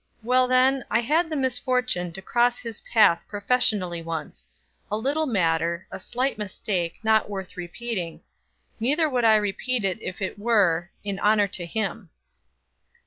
Well, then, I had the misfortune to cross his path professionally, once; a little matter, a slight mistake, not worth repeating neither would I repeat it if it were, in honor to him.